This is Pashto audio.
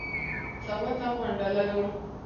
سبا ته غونډه لرو .